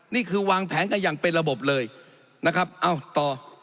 นี่คือวางแผนกันอย่างเป็นระบบเลยนะครับเอ้าต่อ